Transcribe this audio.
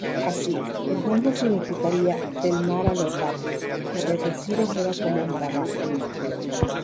Así, el nombre significaría "del mar a los gatos", que reducido queda como maragato.